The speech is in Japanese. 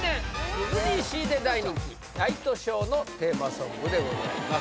ディズニーシーで大人気ナイトショーのテーマソングでございます